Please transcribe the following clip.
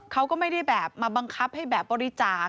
เขาก็ไม่ได้แบบมาบังคับให้แบบบริจาค